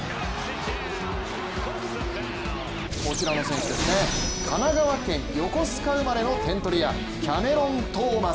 こちらの選手ですね、神奈川県横須賀生まれの点取り屋・キャメロン・トーマス